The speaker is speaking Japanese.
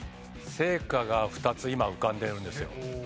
青果が２つ今浮かんでるんですよ。